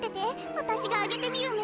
わたしがあげてみるね。